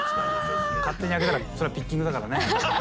勝手に開けたらそれはピッキングだからね。